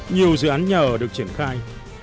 nhiều dự án nhà ở được triển khai